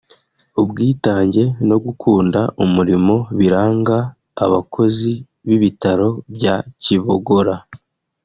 ubwitange no gukunda umurimo biranga abakozi b’Ibitaro bya Kibogora